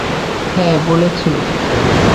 হ্যাঁ, বলেছিল।